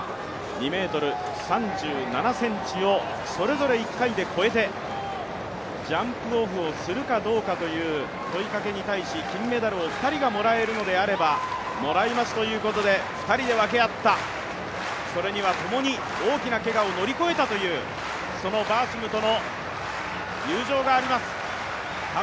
２ｍ３７ｃｍをそれぞれ１回で越えてジャンプオフをするかどうかという問いかけに対し、金メダルを２人がもらえるのであれば、もらいますということで２人で分け合った、それには共に大きなけがを乗り越えたというそのバーシムとの友情があります。